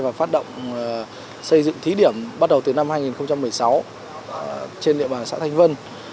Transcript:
và phát động xây dựng thí điểm bắt đầu từ năm hai nghìn một mươi sáu trên địa bàn xã thanh vân